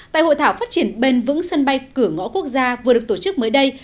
tại hội thảo phát triển bền vững sân bay cửa ngõ quốc gia vừa được tổ chức mới đây